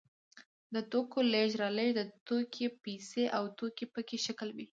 د توکو لېږد رالېږد د توکي پیسې او توکي په شکل وي